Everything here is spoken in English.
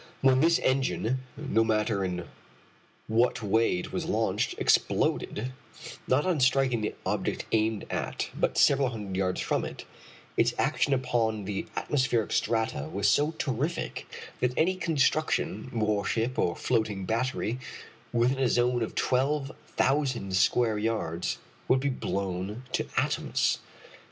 When this engine, no matter in what way it was launched, exploded, not on striking the object aimed at, but several hundred yards from it, its action upon the atmospheric strata was so terrific that any construction, warship or floating battery, within a zone of twelve thousand square yards, would be blown to atoms.